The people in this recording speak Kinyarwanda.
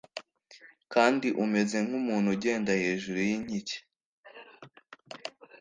kandi umeze nk'umuntu ugenda hejuru y'inkike